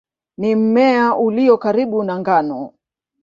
Ni mmea ulio karibu na ngano.